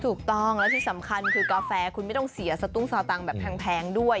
ถูกต้องและที่สำคัญคือกาแฟคุณไม่ต้องเสียสตุ้งสอตังแบบแพงด้วย